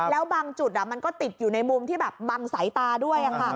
แล้วบางจุดมันก็ติดอยู่ในมุมที่แบบบังสายตาด้วย